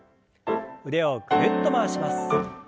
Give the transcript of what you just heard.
腕をぐるっと回します。